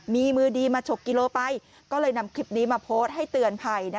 มีมือดีมาฉกกิโลไปก็เลยนำคลิปนี้มาโพสต์ให้เตือนภัย